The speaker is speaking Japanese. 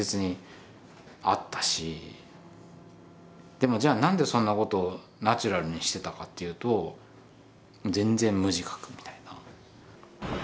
でもじゃあ何でそんなことをナチュラルにしてたかっていうと全然無自覚みたいな。